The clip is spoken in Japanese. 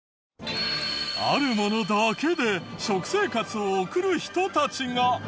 あるものだけで食生活を送る人たちが。